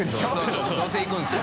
そうどうせ行くんですよ。